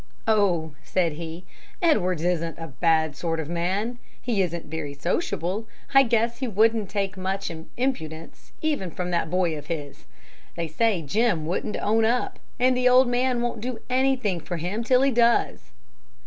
"Oh," said he, "Edwards isn't a bad sort of man. He isn't very sociable. I guess he wouldn't take much impudence, even from that boy of his. They say Jim wouldn't own up, and the old man won't do anything for him till he does."